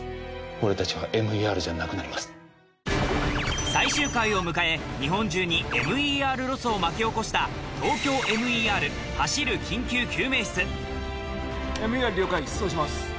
俺達はＭＥＲじゃなくなります最終回を迎え日本中にＭＥＲロスを巻き起こしたＭＥＲ了解出動します